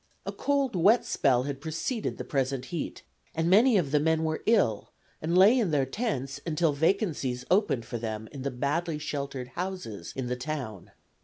A cold wet spell had preceded the present heat, and many of the men were ill and lay in their tents until vacancies opened for them in the badly sheltered houses in the town.